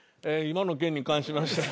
今の件に関しまして。